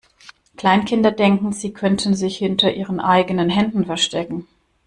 Kleinkinder denken, sie könnten sich hinter ihren eigenen Händen verstecken.